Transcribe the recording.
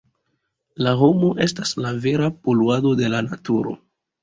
La homo estas la vera poluado de la naturo!